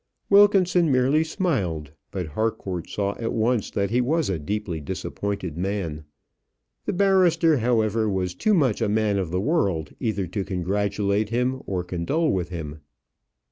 Wilkinson merely smiled; but Harcourt saw at once that he was a deeply disappointed man. The barrister, however, was too much a man of the world either to congratulate him or condole with him.